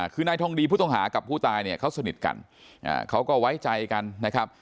คือนายทองดีผู้ต้องหากับผู้ตายเนี่ยเขาสนิทกันเขาก็ไว้ใจกันนะครับ